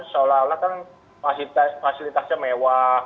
seolah olah kan fasilitasnya mewah